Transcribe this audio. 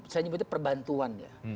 saya nyebutnya perbantuan ya